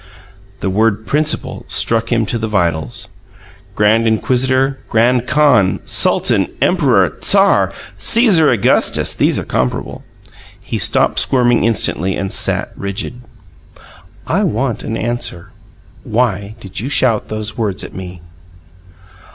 The word "principal" struck him to the vitals. Grand Inquisitor, Grand Khan, Sultan, Emperor, Tsar, Caesar Augustus these are comparable. He stopped squirming instantly, and sat rigid. "I want an answer. Why did you shout those words at me?"